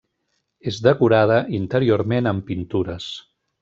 És decorada interiorment amb pintures.